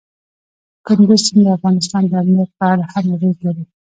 کندز سیند د افغانستان د امنیت په اړه هم اغېز لري.